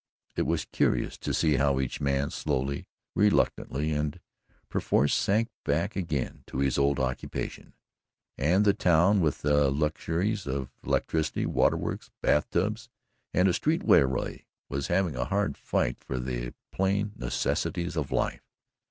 It was curious to see how each man slowly, reluctantly and perforce sank back again to his old occupation and the town, with the luxuries of electricity, water works, bath tubs and a street railway, was having a hard fight for the plain necessities of life.